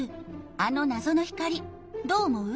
あの謎の光どう思う？